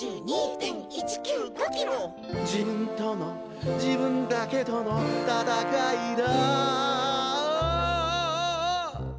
「自分との自分だけとの戦いだ」